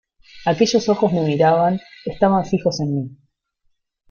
¡ aquellos ojos me miraban, estaban fijos en mí!...